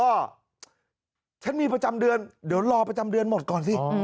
ก็ฉันมีประจำเดือนเดี๋ยวรอประจำเดือนหมดก่อนสิ